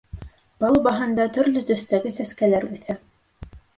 Палубаһында төрлө төҫтәге сәскәләр үҫә.